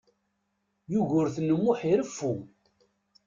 Yugurten U Muḥ ireffu.